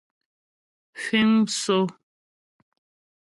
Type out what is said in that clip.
Fíŋ msó.